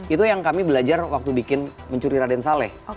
itu yang kami belajar waktu bikin mencuri raden saleh